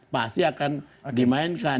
pasti akan dimainkan